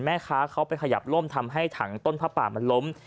แม่ค้าเขาไปขยับล่มทำให้ถังต้นผ้าป่ามันล้ม